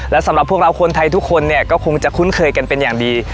และสำหรับพวกเราคนไทยทุกคนเนี่ยก็คงจะคุ้นเคยกันเป็นอย่างดี